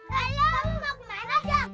kamu mau kemana ujang